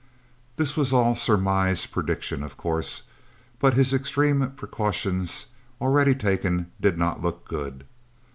This was all surmise prediction, of course, but his extreme precautions, already taken, did not look good.